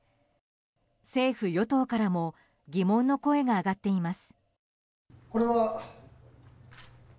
政府・与党からも疑問の声が上がっています。